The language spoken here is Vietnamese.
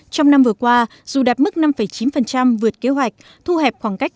trong năm vừa qua dù đạt mức năm chín vượt kế hoạch thu hẹp khoảng cách